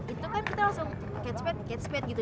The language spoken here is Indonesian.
itu kan kita langsung catchphrase catchphrase gitu